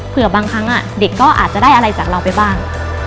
บางครั้งเด็กก็อาจจะได้อะไรจากเราไปบ้าง